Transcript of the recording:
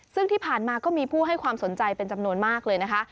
ซึ่งที่ผ่านมาก็มีผู้ให้ความสนใจเป็นจำนวนมากเลยนะคะ